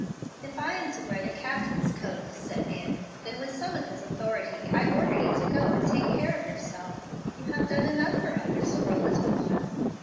"If I am to wear the captain's coat," said Annie, "then, with some of his authority, I order you to go and take care of yourself. You have done enough for others for a little while."